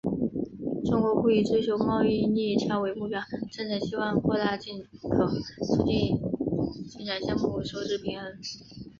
中国不以追求贸易逆差为目标，真诚希望扩大进口，促进经常项目收支平衡。